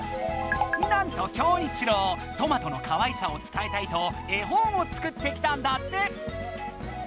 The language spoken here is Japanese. なんとキョウイチロウトマトのかわいさを伝えたいと絵本を作ってきたんだって！